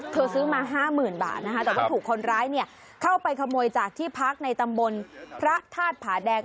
ซื้อมา๕๐๐๐บาทนะคะแต่ว่าถูกคนร้ายเนี่ยเข้าไปขโมยจากที่พักในตำบลพระธาตุผาแดง